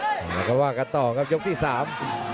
เดี๋ยวก็ว่ากันต่อครับยกที่สาม